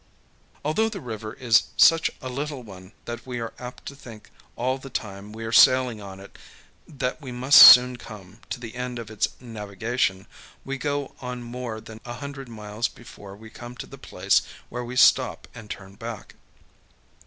Although the river is such a little one that we are apt to think all the time we are sailing on it that we must soon come to the end of its navigation, we go on more than a hundred miles before we come to the place where we stop and turn back.